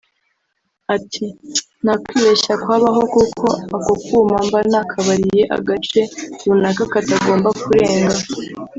Ati “Nta kwibeshya kwabaho kuko ako kuma mba nakabariye agace runaka katagomba kurenga